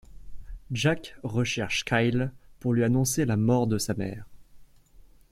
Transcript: Jack recherche Kyle pour lui annoncer la mort de sa mère.